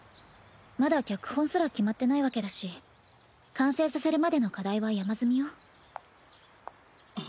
まだ脚本すら決まってないわけだし完成させるまでの課題は山積みよ。